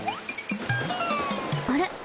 あれ？